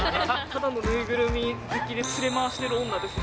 ただの縫いぐるみ好きで、連れ回している女です。